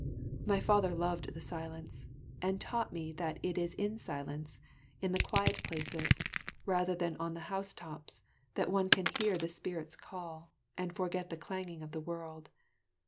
My father loved the silence, and taught me that it is in silence, in the quiet places, rather than on the house tops, that one can hear the spirit's call, and forget the clanging of the world.